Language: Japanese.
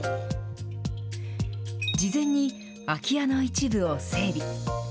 事前に空き家の一部を整備。